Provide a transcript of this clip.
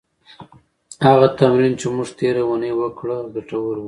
هغه تمرین چې موږ تېره اونۍ وکړه، ګټور و.